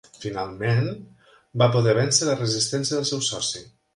Finalment, va poder vèncer la resistència del seu soci.